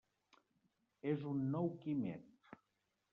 És un nou Quimet.